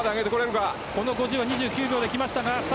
この５０は２９秒で来ましたが。